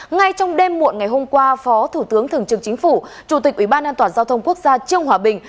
ngay trong đêm muộn ngày hôm qua phó thủ tướng thường trưởng chính phủ chủ tịch ủy ban an toàn giao thông quốc gia trương hòa bình